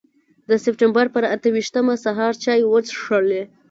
د سپټمبر پر اته ویشتمه سهار چای وڅښلې.